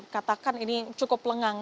katakan ini cukup lengang